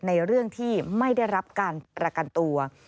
ในเรื่องที่ไม่ได้รับการประกันตัว